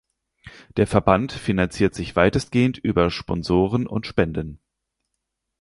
Der Verband finanziert sich weitestgehend über Sponsoren und Spenden.